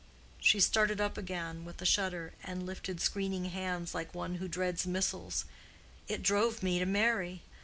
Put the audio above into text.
She started up again, with a shudder, and lifted screening hands like one who dreads missiles. "It drove me to marry.